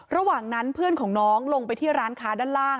ระหว่างนั้นเพื่อนของน้องลงไปที่ร้านค้าด้านล่าง